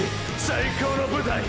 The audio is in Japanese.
最高の舞台！！